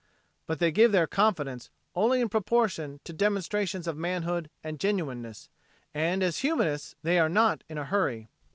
But they give their confidence only in proportion to demonstrations of manhood and genuineness, and as humanists they are not in a hurry.